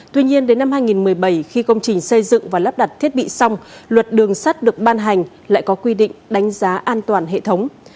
tuy nhiên đến năm hai nghìn một mươi bảy khi công trình xây dựng và lắp đặt thiết bị xong luật đường sắt được ban hành lại có quy định đánh giá an toàn hệ thống